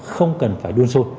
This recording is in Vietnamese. không cần phải đun sôi